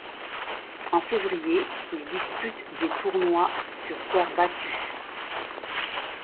En février, il dispute des tournois sur terre battue.